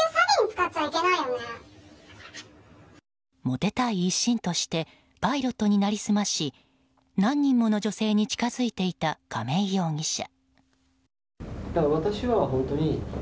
モテたい一心としてパイロットに成り済まし何人もの女性に近づいていた亀井容疑者。